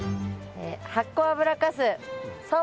発酵油かす草